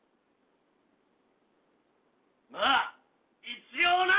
まあ一応な！